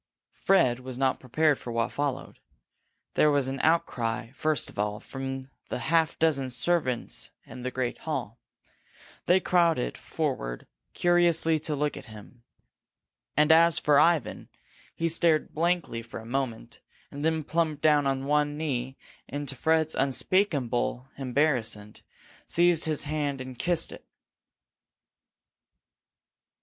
Fred was not prepared for what followed. There was an outcry, first of all, from the half dozen servants in the great hall. They crowded forward curiously to look at him. And as for Ivan, he stared blankly for a moment, and then plumped down on one knee and, to Fred's unspeakable embarrassment, seized his hand and kissed it.